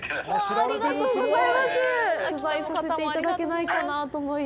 ありがとうございます。